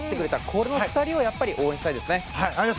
この２人を応援したいですね。